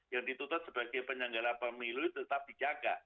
yang dituntut sebagai penyelenggara pemilu tetap dijaga